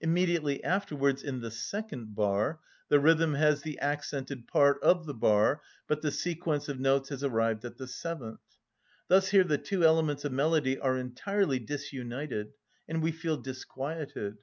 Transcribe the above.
Immediately afterwards, in the second bar, the rhythm has the accented part of the bar, but the sequence of notes has arrived at the seventh. Thus here the two elements of melody are entirely disunited; and we feel disquieted.